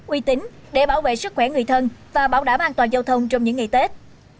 uy tín để bảo vệ sức khỏe người thân và bảo đảm an toàn giao thông trong những ngày tết